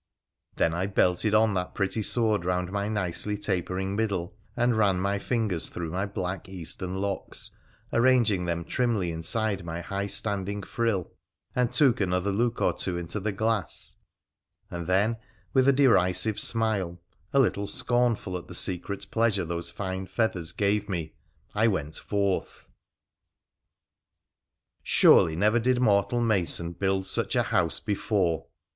Then I belted on that pretty sword round my nicely tapering middle, and ran my fingers through my black Eastern locks, arranging them trimly inside my high standing frill, and took another look or two into the glass, and then with a derisive smile — a little scornful at the secret pleasure those fine feathers gave me — I went forth. Surely never did mortal mason build such a house before